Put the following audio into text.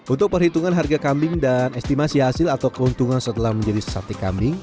untuk perhitungan harga kambing dan estimasi hasil atau keuntungan setelah menjadi sate kambing